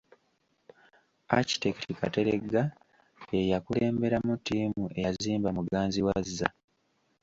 Architect Kateregga y'eyakulemberamu ttiimu eyazimba Muganzirwazza.